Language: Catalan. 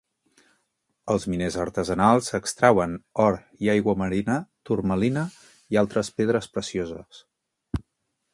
Els miners artesanals extrauen or i aiguamarina, turmalina, i altres pedres precioses.